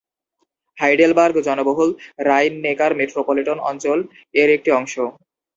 Heidelberg জনবহুল রাইন-নেকার metropolitan অঞ্চল এর একটি অংশ।